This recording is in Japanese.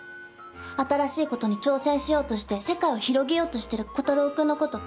新しいことに挑戦しようとして世界を広げようとしてる炬太郎くんのこと